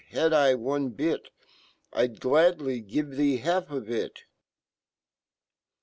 Had I one bit, Fd glad ly give fhee/ half of it !'